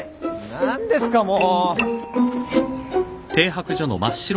何ですかもう。